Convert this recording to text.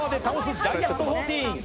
ジャイアント１４。